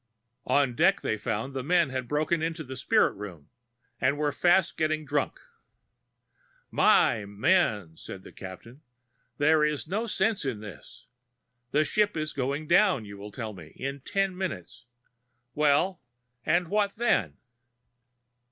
On deck they found the men had broken into the spirit room, and were fast getting drunk. "My men," said the Captain, "there is no sense in this. The ship is going down, you will tell me, in ten minutes: well, and what then?